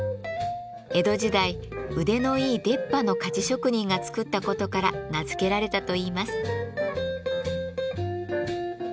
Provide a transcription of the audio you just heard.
江戸時代腕のいい出っ歯の鍛冶職人が作った事から名付けられたといいます。